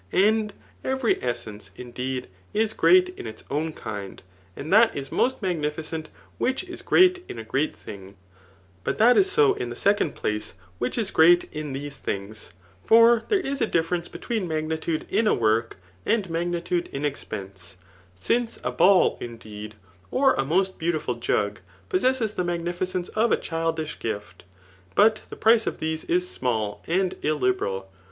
And every essense, indeed, isgveat in its own kmd r ^^ that Is most magnificent which is great tn a great thing } but that Digitized by Google CHAP^tU KTHICS, 147 b 8D m the second pbce xivhich is great in these things. For 4iere is a differenoe between magnitude m a work^ and magnitude in expense ; since a ball, indeed, or a moit 1)eaiitifiil jug, possess the magnificence of a childish gift ; but the price of these is small and illiberal.